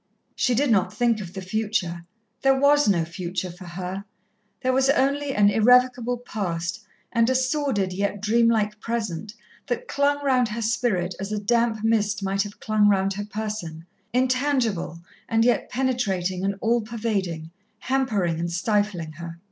She did not think of the future. There was no future for her. There was only an irrevocable past and a sordid, yet dream like present, that clung round her spirit as a damp mist might have clung round her person, intangible and yet penetrating and all pervading, hampering and stifling her.